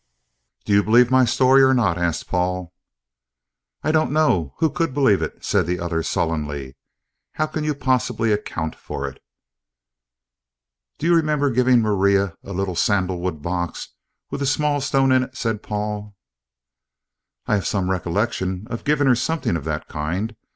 "Do you believe my story or not?" asked Paul. "I don't know. Who could believe it?" said the other sullenly. "How can you possibly account for it?" "Do you remember giving Maria a little sandal wood box with a small stone in it?" said Paul. "I have some recollection of giving her something of that kind.